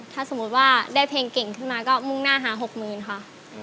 ถ้าสมมุติว่าได้เพลงเก่งขึ้นมาก็มุ่งหน้าหา๖๐๐๐ค่ะ